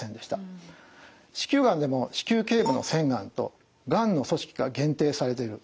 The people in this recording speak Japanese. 子宮がんでも子宮頸部の腺がんとがんの組織が限定されている。